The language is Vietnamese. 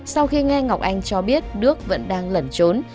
sau khi nghe ngọc anh cho biết đức vẫn đang lẩn trốn